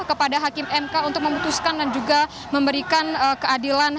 kepada hakim mk untuk memutuskan dan juga memberikan keadilan